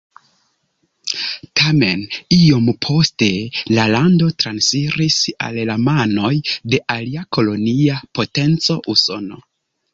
Tamen iom poste la lando transiris al la manoj de alia kolonia potenco Usono.